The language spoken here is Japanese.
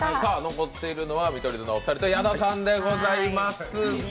残っているのは見取り図のお二人と矢田さんでございます。